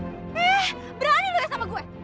eh berani lo ya sama gue